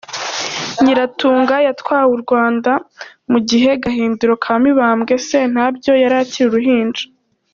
Nyiratunga yatwaye u Rwanda mu gihe Gahindiro ka Mibambwe Sentabyo yari akiri uruhinja.